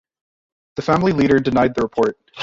The Family Leader denied the report.